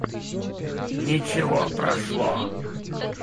Ничего, прошло.